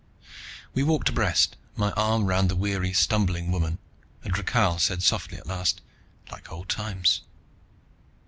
We walked abreast, my arm around the weary, stumbling woman, and Rakhal said softly at last, "Like old times."